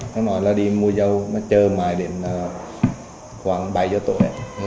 nó nói là đi mua dâu nó chờ mãi đến khoảng bảy giờ tối